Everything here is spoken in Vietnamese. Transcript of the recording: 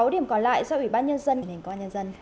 một mươi sáu điểm còn lại do ủy ban nhân dân